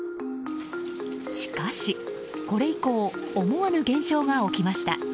しかし、これ以降思わぬ現象が起きました。